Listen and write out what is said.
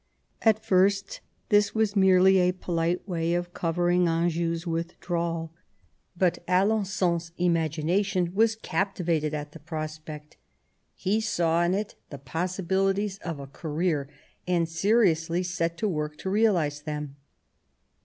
At first this was merely a polite way of covering Anjou's withdrawal, but Alen9on's imagination was captivated at the prospect. He saw in it the possi bilities of a career, and seriously set to work to realise them.